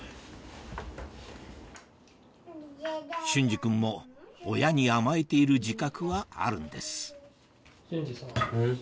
隼司君も親に甘えている自覚はあるんです隼司さぁ。